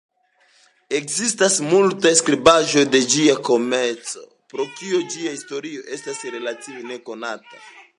Ekzistas malmultaj skribaĵoj de ĝia komenco, pro kio ĝia historio estas relative nekonata.